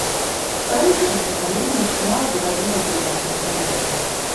Старэйшае пакаленне шмат зрабіла для нашай краіны.